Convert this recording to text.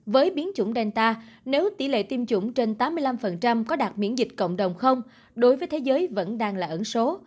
với biến chủng delta nếu tỷ lệ tiêm chủng trên tám mươi năm có đạt miễn dịch cộng đồng không đối với thế giới vẫn đang là ẩn số